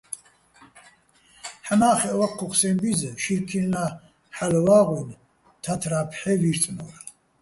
ჰ̦ამა́ხეჸ ვაჴჴუ́ხ სეჼ ბი́ძ შირქილნა́ ჰ̦ალო̆ ვა́ღუჲნი̆ თათრა́ ფჰ̦ე ვი́რწნო́რ.